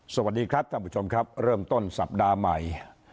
สวัสดีครับท่านผู้ชมครับเริ่มต้นสัปดาห์ใหม่